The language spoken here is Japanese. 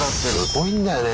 すごいんだよね